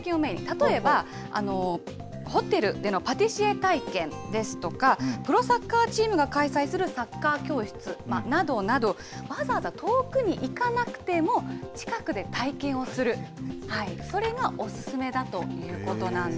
例えば、ホテルでのパティシエ体験ですとか、プロサッカーチームが開催するサッカー教室などなど、わざわざ遠くに行かなくても、近くで体験をする、それがお勧めだということなんです。